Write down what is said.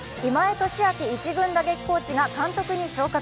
敏晃１軍打撃コーチが監督に昇格。